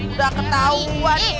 udah ketauan nih